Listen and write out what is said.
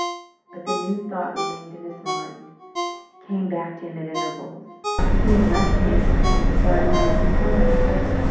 But the new thought remained in his mind. It came back to him at intervals, seeming less new and startling every time.